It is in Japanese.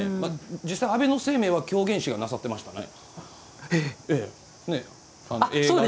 実際、安倍晴明は狂言師がなさってましたね。